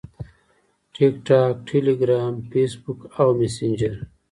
- Facebook، Telegram، TikTok او Messenger